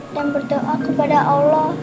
dan berdoa kepada allah